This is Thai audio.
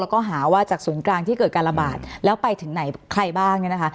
แล้วก็หาว่าจากส่วนกลางที่เกิดการระบาดแล้วไปถึงในใครบ้างนะคะ